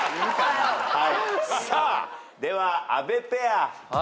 さあでは阿部ペア。